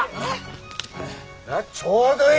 ちょうどいい。